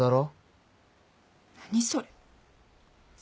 何それ。